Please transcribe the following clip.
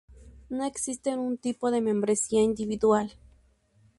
No existe un tipo de membresía individual.